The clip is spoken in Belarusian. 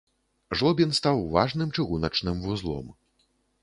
Жлобін стаў важным чыгуначным вузлом.